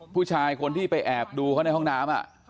ผู้ชายคนที่ไปแอบดูเขาในห้องน้ำ